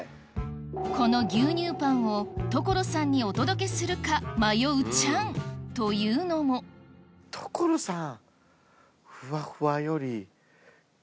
この牛乳パンを所さんにお届けするか迷うチャンというのも所さん。